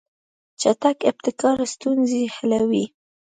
چټک ابتکار ستونزې حلوي.